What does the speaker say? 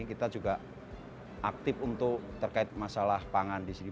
kita juga aktif untuk terkait masalah pangan di sini